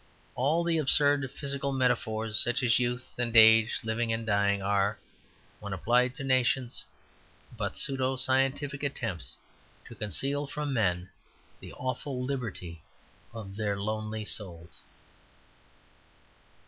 All the absurd physical metaphors, such as youth and age, living and dying, are, when applied to nations, but pseudo scientific attempts to conceal from men the awful liberty of their lonely souls.